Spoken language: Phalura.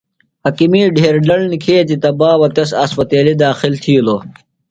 حکِیمی ڈھیر دڑ نِکھیتیۡ تہ بابہ تس اسپتیلیۡ داخل تِھیلوۡ۔